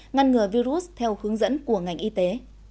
ngăn ngừa virus theo hướng dẫn của ngành y tế